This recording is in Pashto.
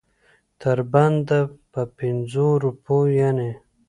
تر بنده په پنځو روپو یعنې.